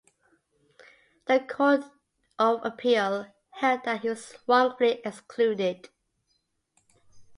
The Court of Appeal held that he was wrongfully excluded.